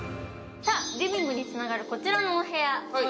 リビングにつながるこちらのお部屋